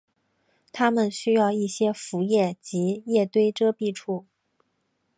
它们需要一些浮木及叶堆遮蔽处。